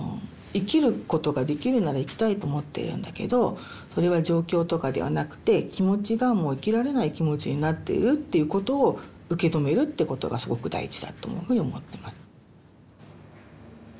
生きることができるなら生きたいと思ってるんだけどそれは状況とかではなくて気持ちがもう生きられない気持ちになっているっていうことを受け止めるってことがすごく大事だというふうに思ってます。